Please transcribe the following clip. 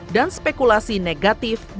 dan spekulasi negatif di publik